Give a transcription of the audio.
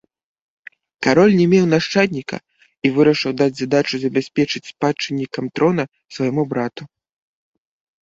Кароль не меў нашчадніка і вырашыў даць задачу забяспечыць спадчыннікам трона свайму брату.